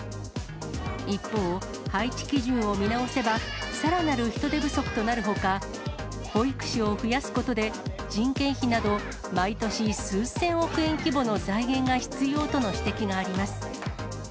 一方、配置基準を見直せば、さらなる人手不足となるほか、保育士を増やすことで、人件費など、毎年、数千億円規模の財源が必要との指摘があります。